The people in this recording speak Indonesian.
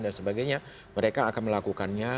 dan sebagainya mereka akan melakukannya